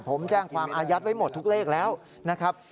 ผมแจ้งความอายัดไว้หมดทุกเลขแล้วนะครับ